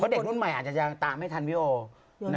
เพราะเด็กรุ่นใหม่อาจจะตามให้ทันวิโอะ